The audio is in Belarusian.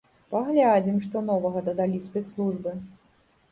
Паглядзім, што новага дадалі спецслужбы.